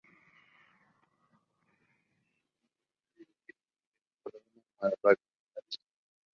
Este decide enviar apoyo militar dirigido por su hijo, Carlomán de Baviera.